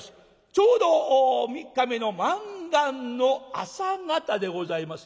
ちょうど３日目の満願の朝方でございますね。